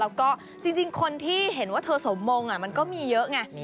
แล้วก็จริงคนที่เห็นว่าเธอสมมงมันก็มีเยอะไง